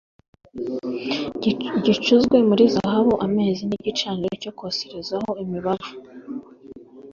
gicuzwe muri zahabu ameza n igicaniro cyo koserezaho imibavu